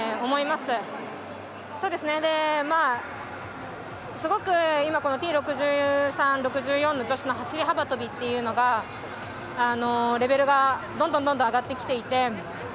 すごく今Ｔ６３、６４の女子の走り幅跳びがレベルがどんどん上がってきていて。